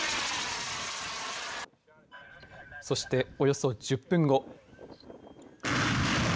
そして、およそ１０分後。